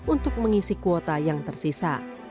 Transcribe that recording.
untuk mengisi kuota yang tersisa